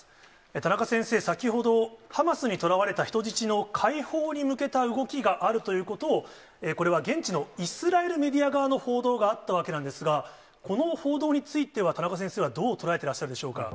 田中先生、先ほど、ハマスにとらわれた人質の解放に向けた動きがあるということを、これは現地のイスラエルメディア側の報道があったわけなんですが、この報道については、田中先生はどう捉えてらっしゃるでしょうか。